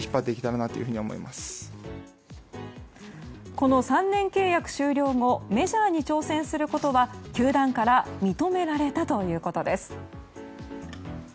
この３年契約終了後メジャーに挑戦することは球団から認められたということです。